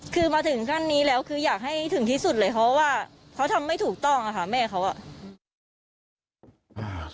คือมาถึงขั้นนี้แล้วคืออยากให้ถึงที่สุดเลยเพราะว่าเขาทำไม่ถูกต้องอะค่ะแม่เขาอ่ะ